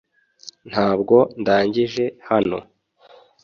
Ntabwo ndangije hano .